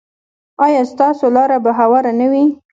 ایا ستاسو لاره به هواره نه وي؟